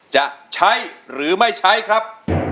จะใช้หรือไม่ใช้ครับ